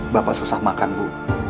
bapak susah makan bu